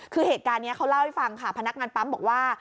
คือเหตุการณ์นี้เขาเล่าให้ฟังค่ะพนักงานปั๊มบอกว่า